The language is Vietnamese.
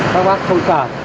thì là các bác không cảm